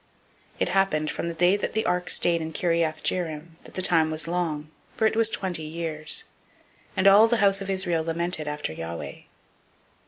007:002 It happened, from the day that the ark abode in Kiriath Jearim, that the time was long; for it was twenty years: and all the house of Israel lamented after Yahweh.